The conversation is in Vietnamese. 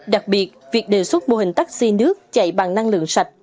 đặc biệt việc đề xuất mô hình taxi nước chạy bằng năng lượng sạch